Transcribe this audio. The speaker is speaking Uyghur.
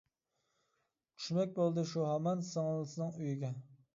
چۈشمەك بولدى شۇ ھامان، سىڭلىسىنىڭ ئۆيىگە.